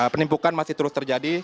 penimpukan masih terus terjadi